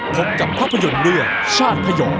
พบกับภาพยนตร์เรื่องสร้างพยอง